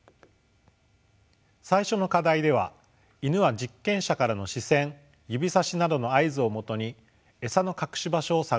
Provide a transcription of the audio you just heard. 最初の課題ではイヌは実験者からの視線指さしなどの合図をもとに餌の隠し場所を探しました。